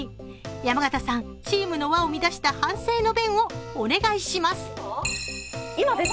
山形さん、チームの輪を乱した反省の弁をお願いします。